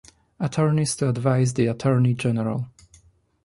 Attorneys to advise the Attorney General.